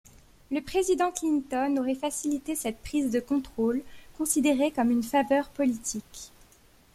Le Président Clinton aurait facilité cette prise de contrôle, considérée comme une faveur politique.